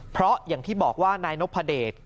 เพราะอย่างที่บอกว่านายนพเดช